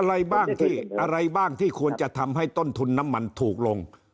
อะไรบ้างที่ควรจะทำให้ธนทุนน้ำมันถูกลง